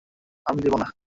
আমি দিবোও না।